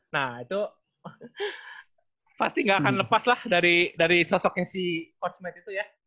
nah itu pasti gak akan lepas lah dari sosoknya si coachmet itu ya